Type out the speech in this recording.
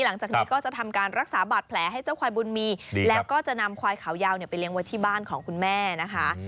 หลังจากนี้ก็จะทำการรักษาบาดแผลให้เจ้าควายบุญมีแล้วก็จะนำควายขาวยาวไปเลี้ยงไว้ที่บ้านของคุณแม่นะคะ